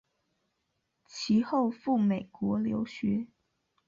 其后赴美国留学。